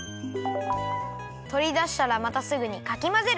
とりだしたらまたすぐにかきまぜる！